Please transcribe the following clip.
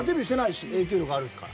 影響力あるから。